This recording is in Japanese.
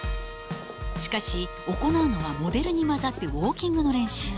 しかし行うのはモデルに交ざってウォーキングの練習。